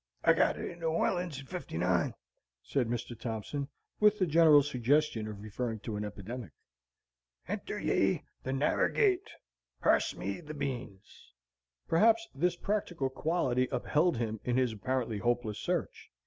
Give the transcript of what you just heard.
"I got it in New Orleans in '59," said Mr. Thompson, with the general suggestion of referring to an epidemic. "Enter ye the narrer gate. Parse me the beans." Perhaps this practical quality upheld him in his apparently hopeless search.